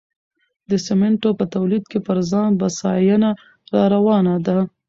د سمنټو په تولید کې پر ځان بسیاینه راروانه ده.